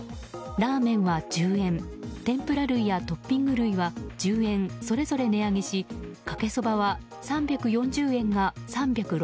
ラーメンは１０円天ぷら類やトッピング類は１０円それぞれ値上げしかけそばは３４０円が３６０円